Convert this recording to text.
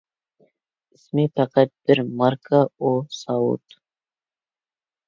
ئىسمى پەقەت بىر ماركا ئۇ ساۋۇت.